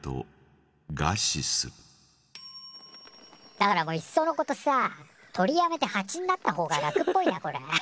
だからいっそうのことさ鳥やめてハチになったほうが楽っぽいなこれ。